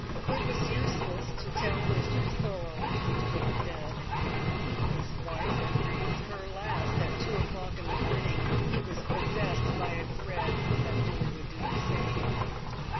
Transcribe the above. It was useless to tell Mr Thorold to go to bed. His wife had breathed her last at two o'clock in the morning, and he was possessed by a dread that Billie would do the same.